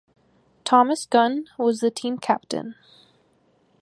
Thomas Gunn was the team captain.